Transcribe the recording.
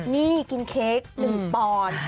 นี่กินเค้กหรือปอน